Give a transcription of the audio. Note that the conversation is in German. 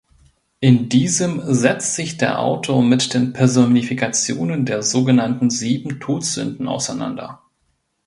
In diesem setzt sich der Autor mit den Personifikationen der sogenannten sieben Todsünden auseinander.